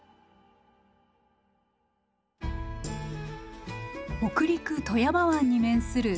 北陸・富山湾に面する富山市。